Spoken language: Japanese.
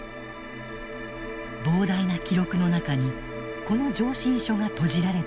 膨大な記録の中にこの上申書がとじられていた。